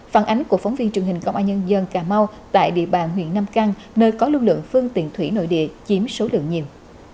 phản ánh của phóng viên truyền hình công an nhân dân cà mau tại địa bàn huyện nam căng nơi có lưu lượng phương tiện thủy nội địa chiếm số lượng nhiều